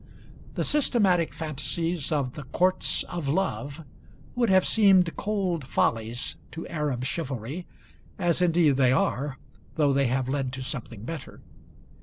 The systematic fantasies of the "Courts of Love" would have seemed cold follies to Arab chivalry as indeed they are, though they have led to something better.